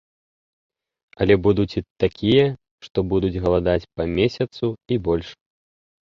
Але будуць і такія, што будуць галадаць па месяцу і больш.